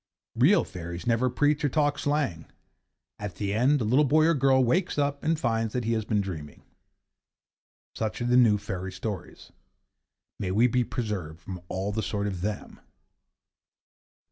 Real fairies never preach or talk slang. At the end, the little boy or girl wakes up and finds that he has been dreaming. Such are the new fairy stories. May we be preserved from all the sort of them!